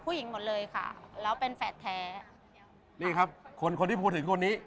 ผู้หญิงหมดเลยค่ะแล้วเป็นแฝดแท้นี่ครับคนคนที่พูดถึงคนนี้